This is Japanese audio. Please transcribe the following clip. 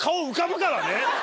からね。